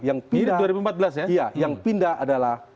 yang pindah adalah